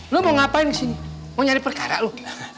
lu mau ngapain kesini mau nyari perkara lu